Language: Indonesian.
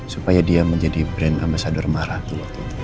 supaya dia menjadi brand amesador maratu